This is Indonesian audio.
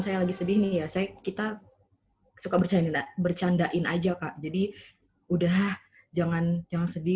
saya lagi sedih nih ya saya kita suka bercanda bercandain aja kak jadi udah jangan jangan sedih